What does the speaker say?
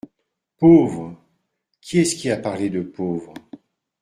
Pauvre !… qui est-ce qui a parlé de pauvre ?